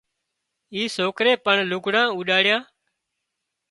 اي سوڪري پڻ لگھڙ اوڏاڙيون